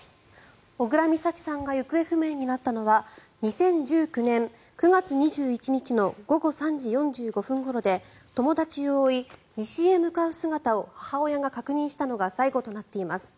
小倉美咲さんが行方不明になったのは２０１９年９月２１日の午後３時４５分ごろで友達を追い、西へ向かう姿を母親が確認したのが最後となっています。